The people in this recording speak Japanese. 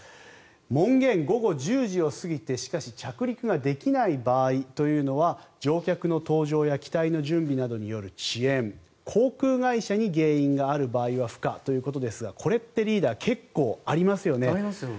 門限午後１０時を過ぎてしかし着陸ができない場合というのは乗客の搭乗や機体の準備などによる遅延航空会社に原因がある場合は不可ということですがこれってリーダー結構ありますよね。ありますよ。